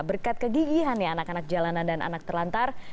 berkat kegigihan ya anak anak jalanan dan anak terlantar